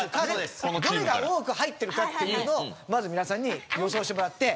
どれが多く入ってるかっていうのをまず皆さんに予想してもらって。